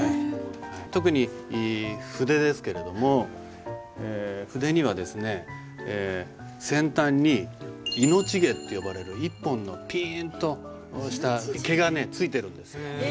特に筆ですけれども筆には先端に命毛って呼ばれる１本のピンとした毛がついてるんです。